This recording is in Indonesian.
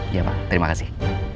iya pak terima kasih